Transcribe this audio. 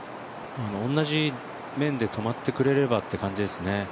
同じ面で止まってくれればという感じですね。